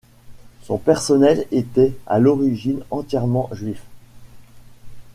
Son personnel était à l'origine entièrement juif.